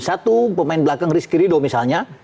satu pemain belakang rizkirido misalnya